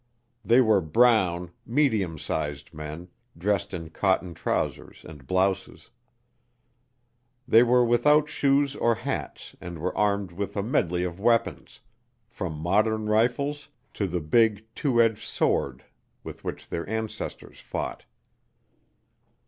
They were brown, medium sized men, dressed in cotton trousers and blouses. They were without shoes or hats and were armed with a medley of weapons, from modern rifles to the big, two edged sword with which their ancestors fought.